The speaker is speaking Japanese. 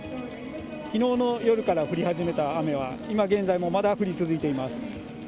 きのうの夜から降り始めた雨は、今現在もまだ降り続いています。